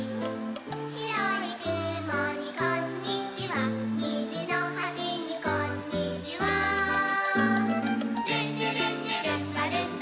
「しろいくもにこんにちはにじのはしにこんにちは」「ルンルルンルルンバルンバ」